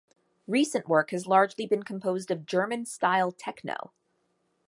Recent work has largely been composed of German-style techno.